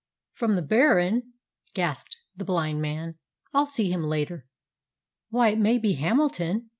"From the Baron!" gasped the blind man. "I'll see him later." "Why, it may be Hamilton!"